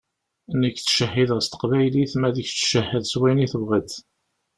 Nekk ttcehhideɣ s teqbaylit, ma d kečč cehhed s wayen i tebɣiḍ.